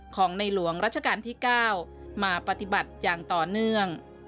ของในหลวงรัชกาลที่๙มาปฏิบัติอย่างต่อเนื่อง